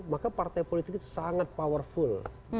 maka partai politik itu sangat powerful